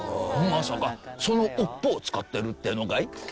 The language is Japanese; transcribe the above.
まさかその尾っぽを使ってるってえのかい？